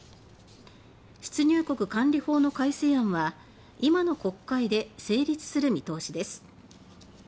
出入国管理法の改正案は今の国会で成立する見通しです。